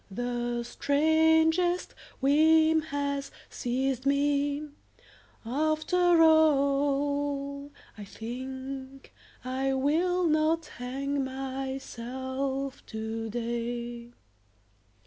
The strangest whim has seized me ... After all I think I will not hang myself today.